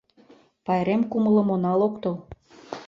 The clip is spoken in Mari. Пайрем кумылым она локтыл.